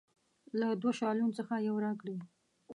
له دوه شالونو څخه یو راکړي.